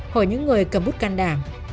hội những người cầm bút căn đảng